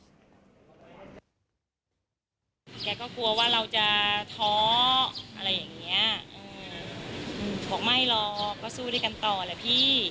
อืมบอกไม่หรอกก็สู้ด้วยกันต่อแหละพี่